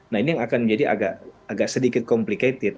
nah ini yang akan menjadi agak sedikit complicated